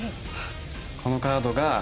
このカードが。